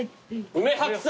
梅白菜？